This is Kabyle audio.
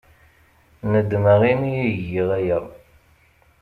Nedmeɣ imi ay giɣ aya.